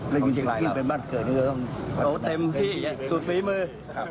และยิ่งจริงก็ขึ้นเป็นบ้านเกิดหนึ่งโอ้เต็มที่สุดฝีมือ